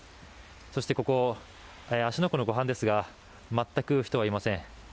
そして、ここ芦ノ湖の湖畔ですが全く人はいません。